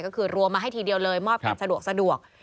ก็คือรวมมาให้ทีเดียวเลยมอบกันสะดวก